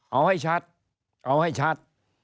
เอาให้ชัดเอาให้ชัด